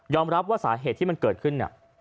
ยอมรับว่าสาเหตุที่มันเกิดขึ้น